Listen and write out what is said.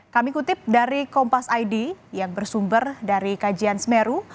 kami kutip dari kompas id yang bersumber dari kajian semeru